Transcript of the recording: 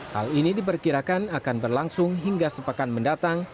hal ini diperkirakan akan berlangsung hingga sepekan mendatang